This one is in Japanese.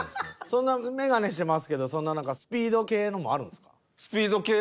そんな眼鏡してますけどそんなスピード系のもうんある。